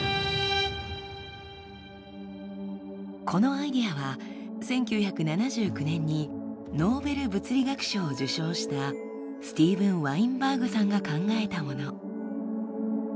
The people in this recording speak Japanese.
このアイデアは１９７９年にノーベル物理学賞を受賞したスティーブン・ワインバーグさんが考えたもの。